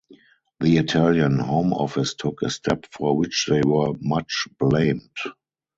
The Italian Home Office took a step for which they were much blamed.